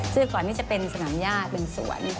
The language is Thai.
ซึ่งก่อนนี้จะเป็นสนามญาติเป็นสวน